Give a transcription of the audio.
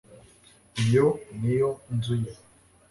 iyo ni yo nzu ye